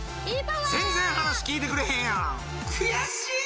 全然話聞いてくれへんやん悔しい！